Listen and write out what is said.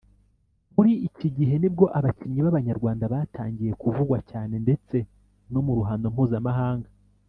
muri iki gihe ni bwo abakinnyi b’Abanyarwanda batangiye kuvugwa cyane ndetse no mu ruhando mpuzamahanga